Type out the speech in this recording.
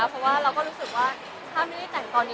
เพราะว่าเราก็รู้สึกว่าถ้าไม่ได้แต่งตอนนี้